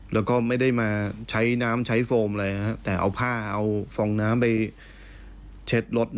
แล้วก็ไม่ได้มาใช้น้ำใช้โฟมอะไรแต่เอาผ้าเอาฟองน้ำไปเช็ดรถ